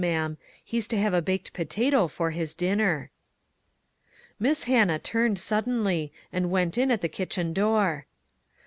ma'am ; he's to have a baked potato for his dinner." Miss Hannah turned suddenly, and went in at the kitchen door.